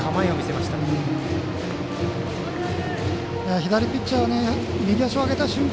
左ピッチャー、右足を上げた瞬間